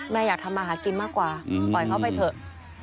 อยากทำมาหากินมากกว่าปล่อยเขาไปเถอะ